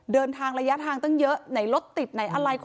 เดินทางระยะทางตั้งเยอะไหนรถติดไหนอะไร